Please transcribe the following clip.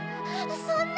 そんな！